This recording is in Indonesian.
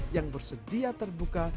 yang bersedia terbuka